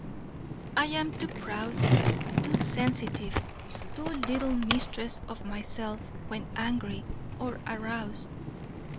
I am too proud, too sensitive, too little mistress of myself when angry or aroused.